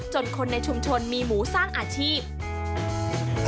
คนในชุมชนมีหมูสร้างอาชีพ